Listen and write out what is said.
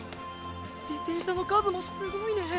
自転車の数もすごいね！